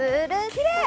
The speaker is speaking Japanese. きれい！